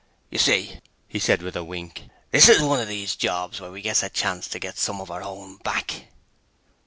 'You see,' he said with a wink, 'this is one of those jobs where we gets a chance to get some of our own back.'